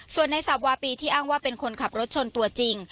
ส่วนในสับวาปีที่อ้างว่าเป็นคนขับรถชนตัวจริง